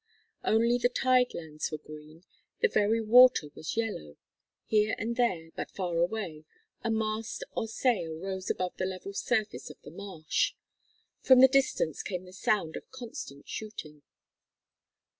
Only the tide lands were green; the very water was yellow. Here and there, but far away, a mast or sail rose above the level surface of the marsh. From the distance came the sound of constant shooting.